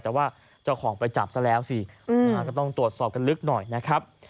แต่ว่าเจ้าของไปจับซะแล้วสิก็ต้องตรวจสอบกันลึกหน่อยนะครับ